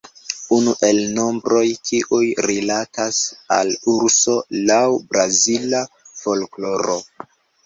Unu el nombroj kiuj rilatas al urso laŭ brazila folkloro.